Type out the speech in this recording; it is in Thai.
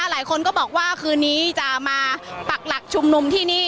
หลายคนก็บอกว่าคืนนี้จะมาปักหลักชุมนุมที่นี่